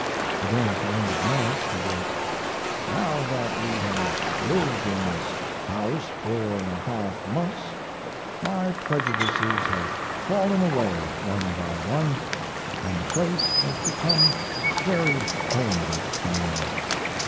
Again at the end of March he wrote: Now that we have lived in this house four and a half months my prejudices have fallen away one by one & the place has become very homelike to me.